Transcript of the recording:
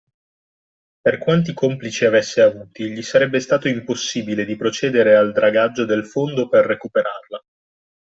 Per quanti complici avesse avuti, gli sarebbe stato impossibile di procedere al dragaggio del fondo per recuperarla.